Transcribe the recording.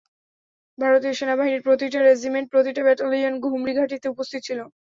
ভারতীয় সেনাবাহিনীর প্রতিটা রেজিমেন্ট, প্রতিটা ব্যাটালিয়ন ঘুমরি ঘাঁটিতে উপস্থিত ছিল।